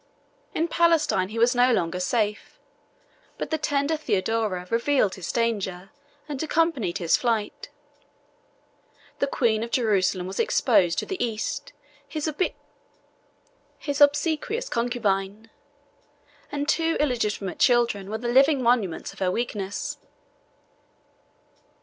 In Palestine he was no longer safe; but the tender Theodora revealed his danger, and accompanied his flight. The queen of Jerusalem was exposed to the East, his obsequious concubine; and two illegitimate children were the living monuments of her weakness.